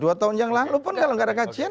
dua tahun yang lalu pun kalau nggak ada kajian